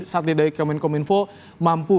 satelit dari kominfo mampu